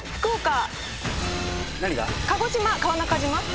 鹿児島川中島。